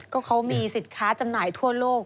ก็เขามีสินค้าจำหน่ายทั่วโลก